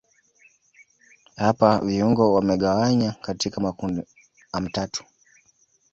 hapa viungo wamegawanywa katika makundi amtatu